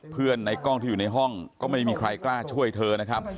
ในกล้องที่อยู่ในห้องก็ไม่มีใครกล้าช่วยเธอนะครับ